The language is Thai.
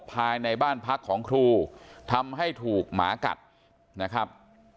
ภายในบ้านพักของครูทำให้ถูกหมากัดนะครับ